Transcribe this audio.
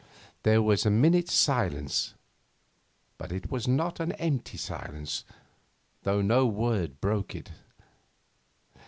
There was a minute's silence. But it was not an empty silence, though no word broke it.